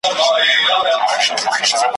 نه به ږغ د محتسب وي نه دُره نه به جنون وي ,